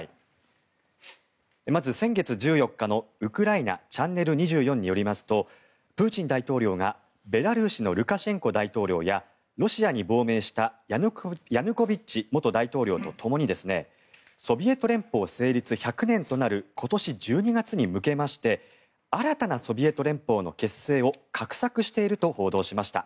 まず先月１４日の、ウクライナチャンネル２４によりますとプーチン大統領がベラルーシのルカシェンコ大統領やロシアに亡命したヤヌコビッチ元大統領と共にソビエト連邦成立１００年となる今年１２月に向けまして新たなソビエト連邦の結成を画策していると報道しました。